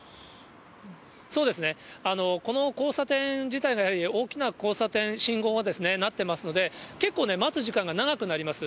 そうですね、この交差点自体がやはり大きな交差点、信号がなってますので、結構待つ時間が長くなります。